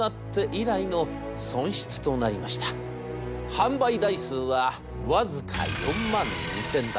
販売台数は僅か４万２，０００台。